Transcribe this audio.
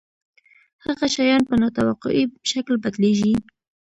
هغه شیان په نا توقعي شکل بدلیږي.